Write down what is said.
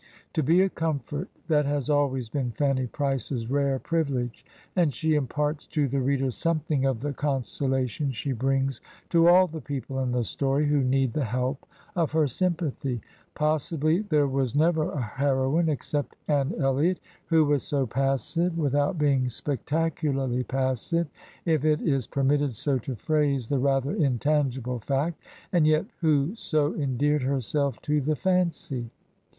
To be a comfort, that has always been Fanny Price's rare privilege, and she imparts to the reader something of the consolation she brings to all the people in the story who need the help of her sjrmpathy. Possibly there was never a heroine, except Anne EUot, who was so passive, without being spectacularly passive, if it is permitted so to phrase the rather intangible fact; and yet who so endeared herself to the fancy.